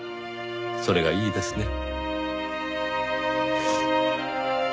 それがいいですね。